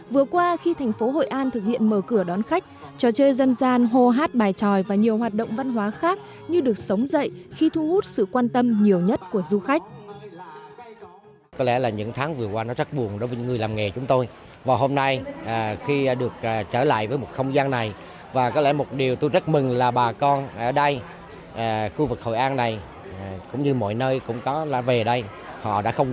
vừa qua khi thành phố hội an thực hiện mở cửa đón khách trò chơi dân gian hô hát bài tròi và nhiều hoạt động văn hóa khác như được sống dậy khi thu hút sự quan tâm nhiều nhất của du khách